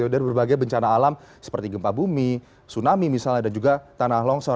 dari berbagai bencana alam seperti gempa bumi tsunami misalnya dan juga tanah longsor